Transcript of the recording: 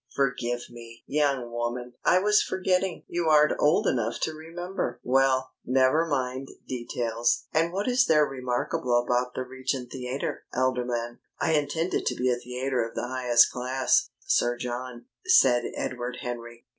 Forgive me, young woman, I was forgetting you aren't old enough to remember. Well, never mind details.... And what is there remarkable about the Regent Theatre, Alderman?" "I intend it to be a theatre of the highest class, Sir John," said Edward Henry.